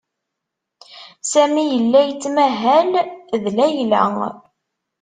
Sami yella yettmahal ed Layla.